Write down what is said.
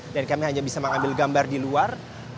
dan kami hanya bisa mengambil gambar di luar